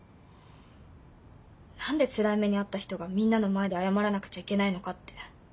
何でつらい目に遭った人がみんなの前で謝らなくちゃいけないのかって。